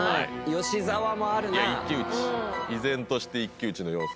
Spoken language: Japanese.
依然として一騎打ちの。